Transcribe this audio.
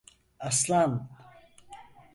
Aslan…